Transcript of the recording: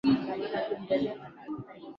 Nitamwambiaje eti kuwa miye nimempenda